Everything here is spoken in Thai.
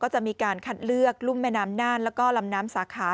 จะมีการคัดเลือกรุ่มแม่น้ำน่านแล้วก็ลำน้ำสาขา